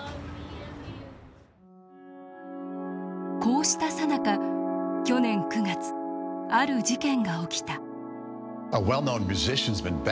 こうしたさなか去年９月ある事件が起きた。